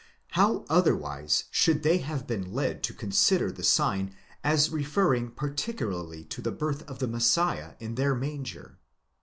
How otherwise should they have been led to consider the sign as referring particularly to the birth of the Messiah in their manger?